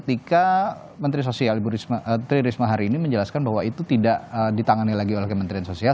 ketika menteri sosial tri risma hari ini menjelaskan bahwa itu tidak ditangani lagi oleh kementerian sosial